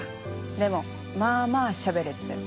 でもまあまあしゃべれてたよ。